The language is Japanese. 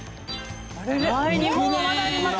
はい日本はまだあります